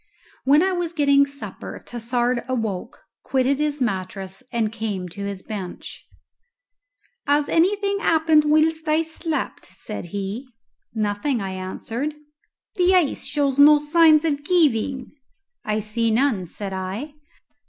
When I was getting supper Tassard awoke, quitted his mattress, and came to his bench. "Has anything happened whilst I slept?" said he. "Nothing," I answered. "The ice shows no signs of giving?" "I see none," said I.